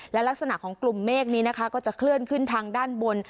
และลักษณะของกลุ่มเมฆนี้นะคะก็จะเคลื่อนขึ้นทางด้านบน